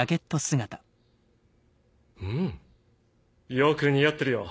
よく似合ってるよ。